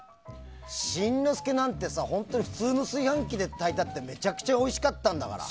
新之助なんて普通の炊飯器で炊いたってめちゃくちゃおいしかったんだから。